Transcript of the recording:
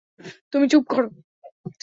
তুমি চুপ করো।